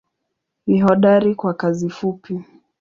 Ni hodari kwa kazi fupi.